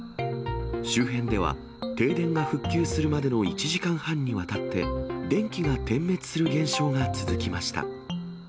周辺では、停電が復旧するまでの１時間半にわたって電気が点滅する現象が続きました。